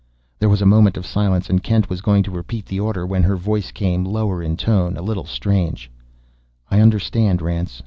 There was a moment of silence, and Kent was going to repeat the order when her voice came, lower in tone, a little strange: "I understand, Rance.